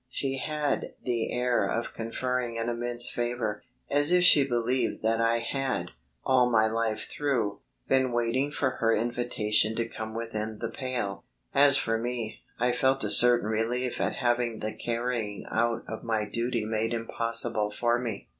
She had the air of conferring an immense favour, as if she believed that I had, all my life through, been waiting for her invitation to come within the pale. As for me, I felt a certain relief at having the carrying out of my duty made impossible for me.